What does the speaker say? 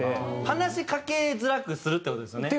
話しかけづらくするという事ですよね？